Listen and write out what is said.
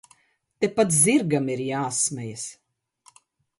Te pat zirgam ir j?smejas!